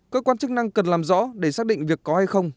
cơ quan chức năng cần làm rõ để xác định việc có hay không